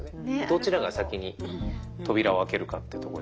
どちらが先に扉を開けるかっていうところで。